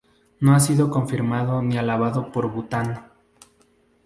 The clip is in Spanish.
No ha sido confirmado ni avalado por Bután.